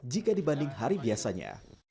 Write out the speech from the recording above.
jika dibanding hari biasanya